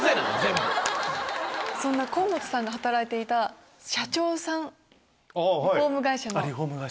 河本さんが働いていた社長さんリフォーム会社の。